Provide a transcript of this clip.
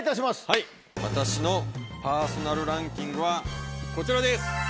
はい私のパーソナルランキングはこちらです！